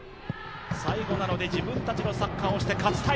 最後なので自分たちのサッカーをして勝ちたい。